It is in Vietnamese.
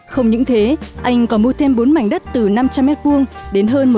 không những thế anh còn mua thêm bốn mảnh đất từ năm trăm linh m hai đến hơn một m hai